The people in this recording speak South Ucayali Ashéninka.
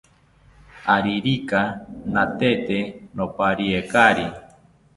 Aririka natete nopariekari